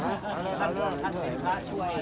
พี่พ่อกลับไปชะเทศนะพี่พ่อกลับไปชะเทศนะ